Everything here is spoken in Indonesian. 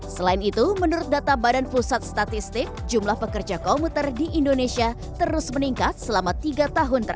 selain itu menurut data badan pusat statistik jumlah pekerja komuter di indonesia terus meningkat selama tiga tahun terakhir